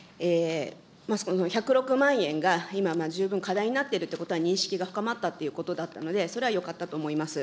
まずこの１０６万円が今十分課題になっているということは認識が深まったということだったので、それはよかったと思います。